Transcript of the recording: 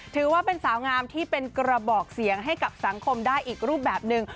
ถือว่าเป็นสาวงามที่เป็นกระบอกเสียงให้กับสังคมได้อีกรูปแบบหนึ่ง